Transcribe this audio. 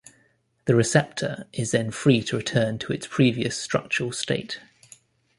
The receptor is then free to return to its previous structural state.